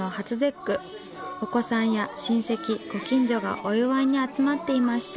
お子さんや親戚ご近所がお祝いに集まっていました。